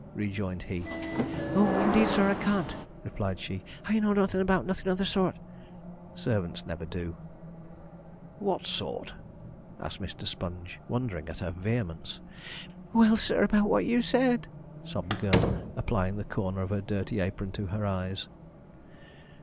rejoined he. 'Oh, indeed, sir, I can't,' replied she; 'I know nothin' about nothin' of the sort.' Servants never do. 'What sort?' asked Mr. Sponge, wondering at her vehemence. 'Well, sir, about what you said,' sobbed the girl, applying the corner of her dirty apron to her eyes.